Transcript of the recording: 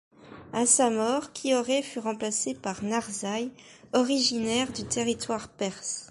À sa mort, Qioré fut remplacé par Narsaï, originaire du territoire perse.